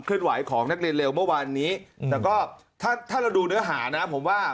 ขึ้นไหวของนักเรียนเลวเมื่อวันนี้ถ้าดูเนื้อหานะผมว่า